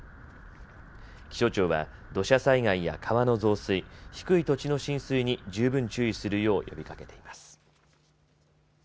気象庁は土砂災害や川の増水、低い土地の浸水に十分注意するよう呼びかけています。